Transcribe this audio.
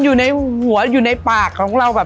อยู่ในหัวอยู่ในปากของเราแบบ